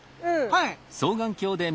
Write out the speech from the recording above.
はい。